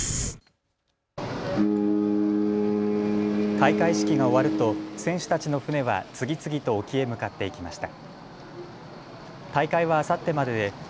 開会式が終わると選手たちの船は次々と沖へ向かっていきました。